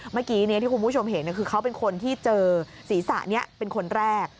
เมื่อกี้ที่คุณผู้ชมเห็นคือเขาเป็นคนที่เจอศีรษะนี้เป็นคนแรก